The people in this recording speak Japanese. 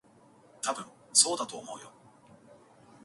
たぶん、そうだと思うよ。